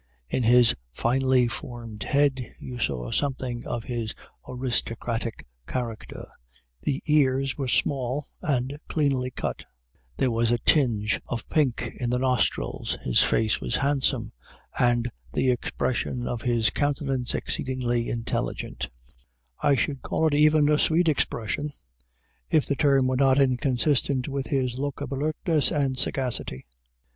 In his finely formed head you saw something of his aristocratic character; the ears were small and cleanly cut, there was a tinge of pink in the nostrils, his face was handsome, and the expression of his countenance exceedingly intelligent I should call it even a sweet expression if the term were not inconsistent with his look of alertness and sagacity.